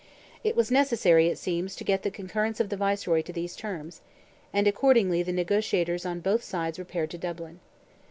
It was necessary, it seems, to get the concurrence of the Viceroy to these terms, and accordingly the negotiators on both sides repaired to Dublin.